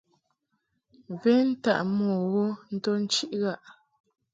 Ven taʼ mo wo nto nchiʼ ghaʼ.